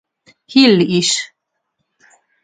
Hill is.